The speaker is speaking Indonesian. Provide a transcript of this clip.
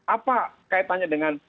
apa kaitannya dengan